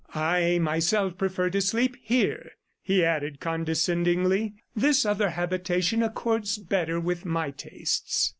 "I myself prefer to sleep here," he added condescendingly. "This other habitation accords better with my tastes."